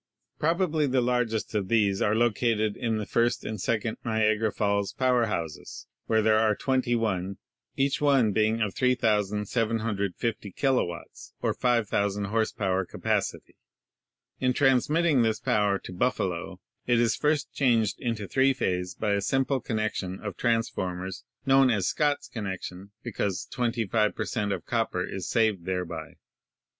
Probably the largest of these are located in the first and second Niagara Falls power houses, where there are twenty one, each one being of 3,750 kilowatts or 5,000 horse power capacity. In transmitting this power to Buffalo, it is first changed to three phase by a simple con nection of transformers — known as Scott's connection — because 25 per cent, of copper is saved thereby.